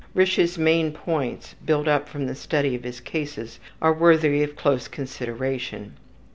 Risch's main points, built up from study of his cases, are worthy of close consideration: 1.